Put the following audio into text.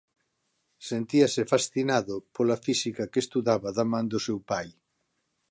Sentíase fascinado pola física que estudaba da man do seu pai.